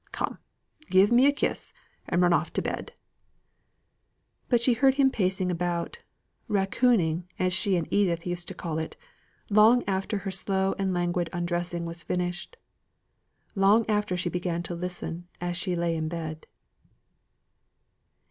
Come, give me a kiss, and run off to bed." But she heard him pacing about (racooning, as she and Edith used to call it) long after her slow and languid undressing was finished long after as she began to listen as she lay in bed.